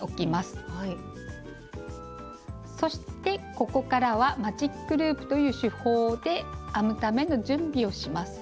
そしてここからは「マジックループ」という手法で編むための準備をします。